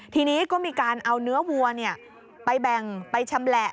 ทีนี้ก็มีการเอาเนื้อวัวไปแบ่งไปชำแหละ